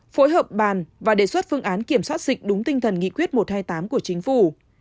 phối hợp bàn và đề xuất phương án kiểm soát dịch đúng tinh thần nghị quyết một trăm hai mươi tám của chính phủ